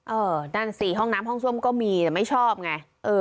นั่นสิห้องน้ำห้องส้มก็มีแต่ไม่ชอบไง